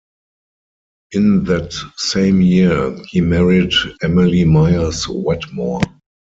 In that same year, he married Emily Myers Wetmore.